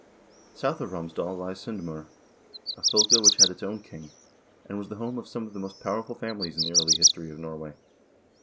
South of Romsdal lies S0ndm0r, a fylke which had its own king, and was the home of some of the most powerful families in the early history of Norway.